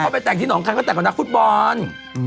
เดาก็ไปแต่งที่น้องคลายติดตามนักฟุตบอล